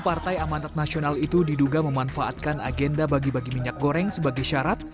partai amanat nasional itu diduga memanfaatkan agenda bagi bagi minyak goreng sebagai syarat